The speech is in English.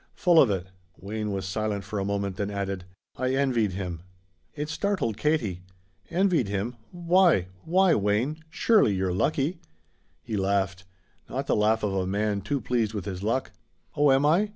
"Full of it." Wayne was silent for a moment, then added: "I envied him." It startled Katie. "Envied him? Why why, Wayne? Surely you're lucky." He laughed: not the laugh of a man too pleased with his luck. "Oh, am I?